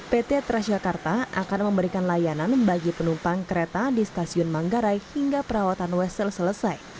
pt transjakarta akan memberikan layanan bagi penumpang kereta di stasiun manggarai hingga perawatan wesel selesai